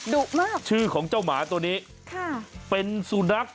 ดุมาก